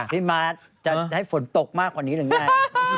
พี่มาทจะให้ฝนตกมากกว่านี้หรือยังไง